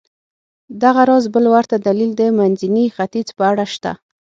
دغه راز بل ورته دلیل د منځني ختیځ په اړه شته.